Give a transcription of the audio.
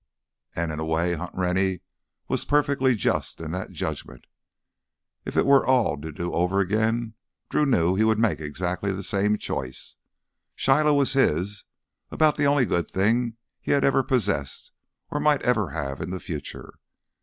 And in a way Hunt Rennie was perfectly just in that judgment. If it were all to do over again, Drew knew he would make exactly the same choice. Shiloh was his—about the only good thing he had ever possessed, or might ever have in the future.